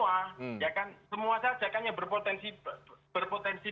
ya kan semua saja kan yang berpotensi